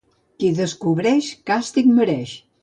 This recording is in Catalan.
Qui descobreix càstig mereix.